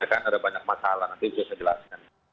kan ada banyak masalah nanti bisa saya jelaskan